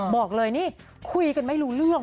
บอกเลยนี่คุยกันไม่รู้เรื่อง